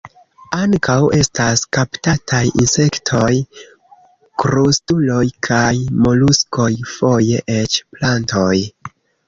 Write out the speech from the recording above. Ankaŭ estas kaptataj insektoj, krustuloj kaj moluskoj, foje eĉ plantoj.